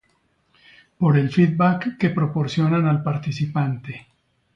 Por el Feedback que proporcionan al participante.